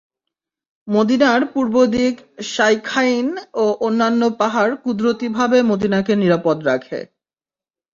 মদীনার পূর্ব দিক শাইখাইন ও অন্যান্য পাহাড় কুদরতিভাবে মদীনাকে নিরাপদ রাখে।